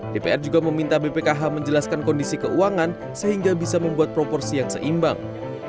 dpr juga meminta bpkh menjelaskan kondisi keuangan sehingga bisa membuat proporsi yang seimbang